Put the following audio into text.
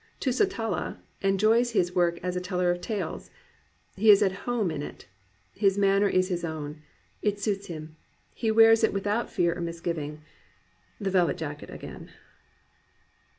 Tusitala en joys his work as a teller of tales; he is at home in it. His manner is his own; it suits him; he wears it without fear or misgiving, — the velvet jacket again.